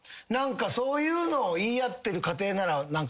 何かそういうのを言い合ってる家庭なら。